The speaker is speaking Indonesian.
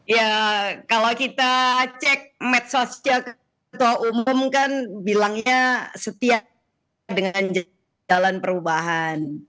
ya kalau kita cek medsosnya ketua umum kan bilangnya setia dengan jalan perubahan